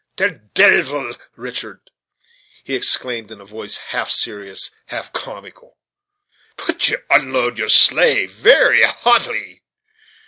"Ter deyvel, Richart!" he exclaimed in a voice half serious, half comical, "put you unload your sleigh very hautily!"